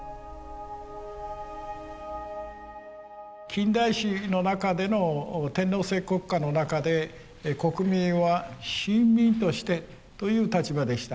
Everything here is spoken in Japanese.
近代史の中での天皇制国家の中で国民は臣民としてという立場でした。